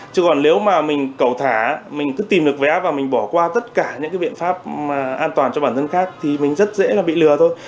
chứ còn nếu mà mình cầu thả mình cứ tìm được vé và mình bỏ qua tất cả những cái biện pháp an toàn cho bản thân khác thì mình rất dễ là bị lừa thôi